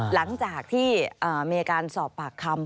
หลังจากที่มีการสอบปากคำ